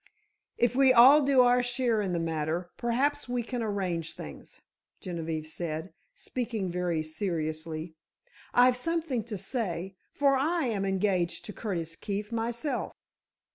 "If we all do our share in the matter, perhaps we can arrange things," Genevieve said, speaking very seriously. "I've something to say, for I am engaged to Curtis Keefe myself."